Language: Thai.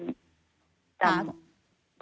อืม